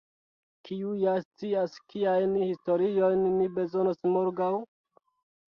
Kiu ja scias kiajn historiojn ni bezonos morgaŭ?